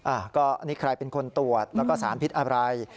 อันนี้ใครเป็นคนตรวจแล้วก็สารพิษอะไร